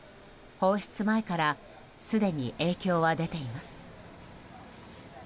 放出前からすでに影響は出ています。